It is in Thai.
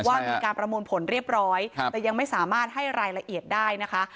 ว่ามีการประมวลผลเรียบร้อยแต่ยังไม่สามารถให้รายละเอียดได้นะคะ